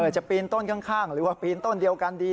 ปีนต้นข้างหรือว่าปีนต้นเดียวกันดี